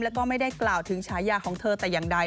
แล้วก็ไม่ได้กล่าวถึงฉายาของเธอแต่อย่างใด